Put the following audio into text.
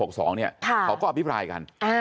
เขาก็อภิปรายกัน